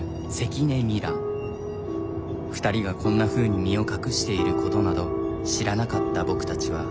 ２人がこんなふうに身を隠していることなど知らなかった僕たちは。